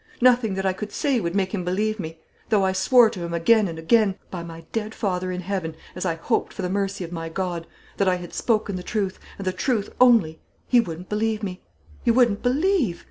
Nothing that I could say would make him believe me. Though I swore to him again and again by my dead father in heaven, as I hoped for the mercy of my God that I had spoken the truth, and the truth only, he wouldn't believe me; he wouldn't believe.